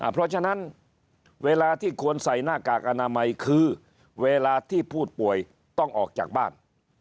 เพราะฉะนั้นเวลาที่ควรใส่หน้ากากอนามัยคือเวลาที่ผู้ป่วยต้องออกจากบ้าน